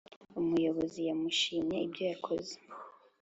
umuyobozi yamushimye ibyo yagezeho.